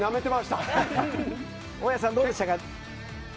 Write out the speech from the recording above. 大矢さん、どうでしたか？